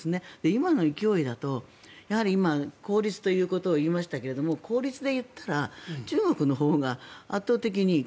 今の勢いだと今、効率ということを言いましたけど効率でいったら中国のほうが圧倒的にいい。